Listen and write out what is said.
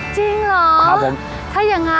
จริงเหรอครับผมถ้าอย่างนั้น